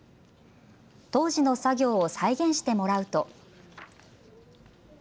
当時の作業を再現してもらうと。